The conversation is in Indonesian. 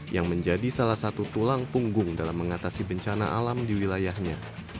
yang menjadi salah satu tulang punggung dalam mengatasi bencana alam di wilayahnya